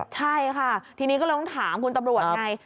ใช่ค่ะทีนี้ก็เลยต้องถามคุณตำรวจไง